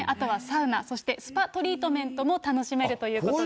あとはサウナ、スパトリートメントも楽しめるということです。